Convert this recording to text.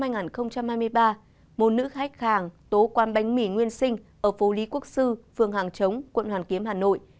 năm hai nghìn hai mươi ba một nữ khách hàng tố quan bánh mì nguyên sinh ở phố lý quốc sư phường hàng chống quận hoàn kiếm hà nội